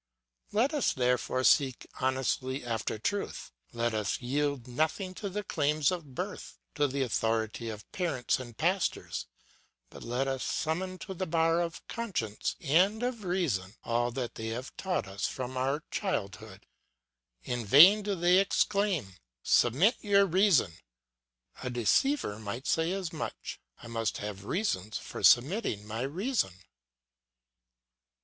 "Let us therefore seek honestly after truth; let us yield nothing to the claims of birth, to the authority of parents and pastors, but let us summon to the bar of conscience and of reason all that they have taught us from our childhood. In vain do they exclaim, 'Submit your reason;' a deceiver might say as much; I must have reasons for submitting my reason.